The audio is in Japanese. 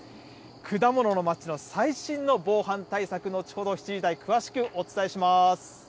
果物の街の最新の防犯対策をちょうど７時台、詳しくお伝えします。